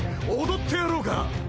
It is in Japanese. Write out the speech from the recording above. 踊ってやろうか！